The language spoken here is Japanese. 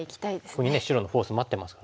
ここにね白のフォース待ってますからね。